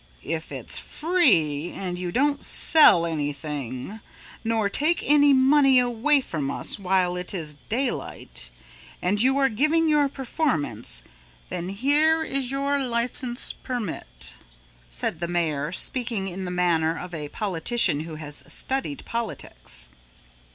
"If it's free and you don't sell anything nor take any money away from us while it is daylight and you are giving your performance, then here is your license permit," said the mayor speaking in the manner of a politician who has studied politics.